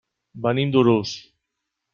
Venim d'Urús.